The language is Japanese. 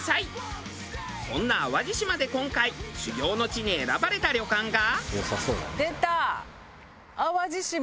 そんな淡路島で今回修業の地に選ばれた旅館が。